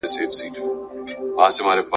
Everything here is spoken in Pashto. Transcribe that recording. ته به هم کله زلمی وې په همزولو کي ښاغلی ..